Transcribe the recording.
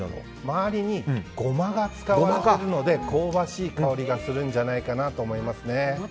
周りにゴマが使われているので香ばしい香りがするんじゃないかなと思います。